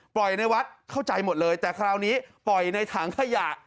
ในวัดเข้าใจหมดเลยแต่คราวนี้ปล่อยในถังขยะ